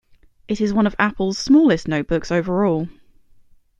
It is one of Apple's smallest notebooks overall.